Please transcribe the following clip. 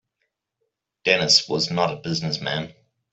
Dennis was not a business man.